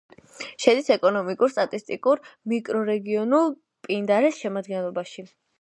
შედის ეკონომიკურ-სტატისტიკურ მიკრორეგიონ პინდარეს შემადგენლობაში.